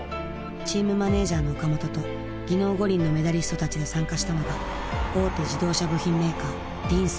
チームマネージャーの岡本と技能五輪のメダリストたちで参加したのが大手自動車部品メーカーＤンソー。